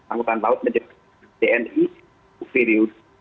angkatan laut menjadi tni